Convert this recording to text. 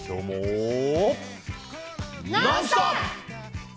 「ノンストップ！」。